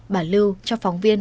bà lưu cho phóng viên